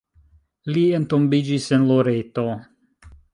Li entombiĝis en Loreto.